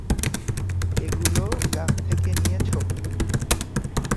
এগুলো গাছ থেকে নিয়েছ?